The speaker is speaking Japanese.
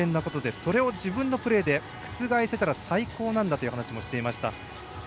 それを自分のプレーで覆せたら最高なんだという話もしていました。